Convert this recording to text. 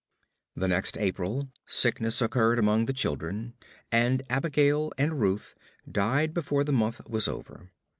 The next April, sickness occurred among the children, and Abigail and Ruth died before the month was over.